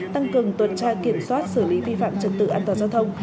tăng cường tuần tra kiểm soát xử lý vi phạm trật tự an toàn giao thông